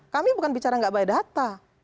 kami bukan bicara nggak by data